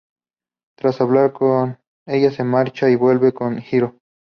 Tras hablar con ella se marcha y vuelve con Hiro.